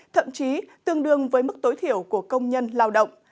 thậm chí tương đương với mức tối thiểu của công nhân lao động